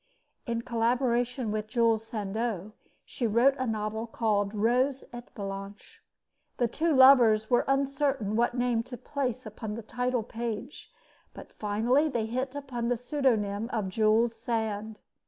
In collaboration with Jules Sandeau, she wrote a novel called Rose et Blanche. The two lovers were uncertain what name to place upon the title page, but finally they hit upon the pseudonym of Jules Sand.